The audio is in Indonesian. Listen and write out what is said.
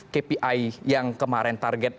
kpi yang kemarin target